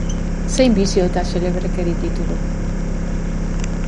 Zein bizio eta xelebrekeri ditugu?